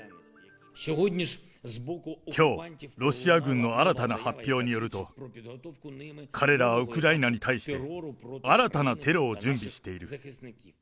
きょう、ロシア軍の新たな発表によると、彼らはウクライナに対して新たなテロを準備している。